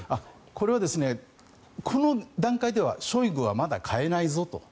これはこの段階ではショイグはまだ代えないぞと。